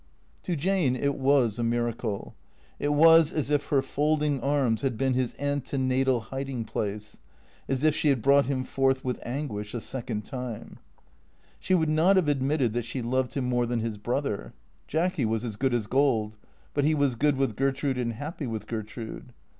To Jane it ivas a miracle. It was as if her folding arms had been his antenatal hiding place; as if she had brought him forth with anguish a second time. She would not have admitted that she loved him more than his brother. Jacky was as good as gold ; but he was good with Gertrude and happy with Gertrude.